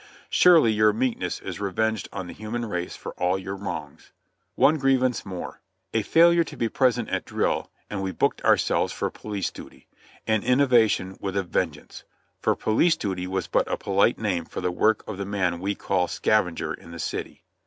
Surely your meekness is revenged on the human race for all your wrongs! One grievance more. A failure to be present at drill, and we booked ourselves for police duty — an innovation with a ven geance, for "police duty" was but a polite name for the work of the man we call "scavenger" in the city.